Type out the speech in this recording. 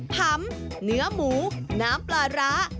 ผำเนื้อหมูน้ำปลาร้า